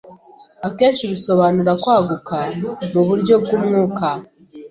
akenshi bisobanura kwaguka mu buryo bw’umwuka